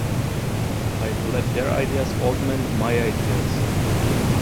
I've let their ideas augment my ideas.